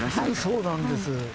そうなんです。